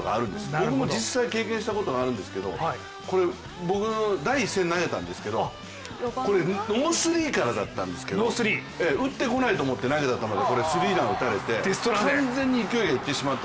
僕も実際経験したことがあるんですけど僕、第１戦投げたんですけど、ノースリーからだったんですけど打ってこないと思って投げた球でこれスリーラン打たれて、完全に勢がいってしまった。